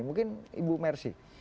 mungkin ibu mercy